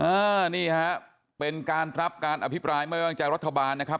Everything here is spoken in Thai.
โปสเตอร์โหมโตรงของทางพักเพื่อไทยก่อนนะครับ